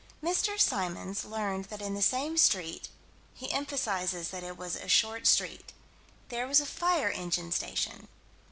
Mr. Symons learned that in the same street he emphasizes that it was a short street there was a fire engine station.